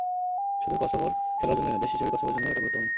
শুধু কসোভোর খেলার জন্যই নয়, দেশ হিসেবে কসোভোর জন্যও এটা গুরুত্বপূর্ণ।